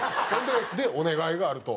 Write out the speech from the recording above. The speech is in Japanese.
で「お願いがある」と。